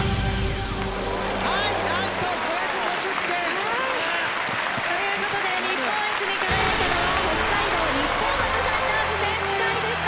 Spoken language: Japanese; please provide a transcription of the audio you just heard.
はいなんと５５０点。という事で日本一に輝いたのは北海道日本ハムファイターズ選手会でした。